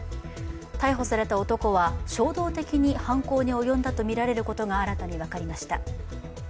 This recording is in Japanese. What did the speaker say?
逮捕された男は衝動的に犯行に及んだとみられることが新たに分かりました。